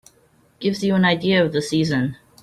Gives you an idea of the season.